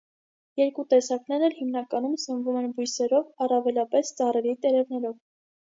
Երկու տեսակներն էլ հիմնականում սնվում են բույսերով, առավելապես ծառերի տերևներով։